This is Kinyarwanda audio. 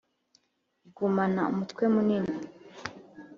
igumana umutwe munini